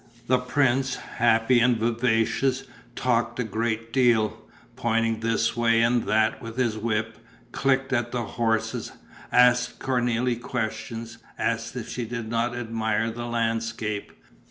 The prince, happy and vivacious, talked a great deal, pointed this way and that with his whip, clicked at the horses, asked Cornélie questions, asked if she did not admire the landscape.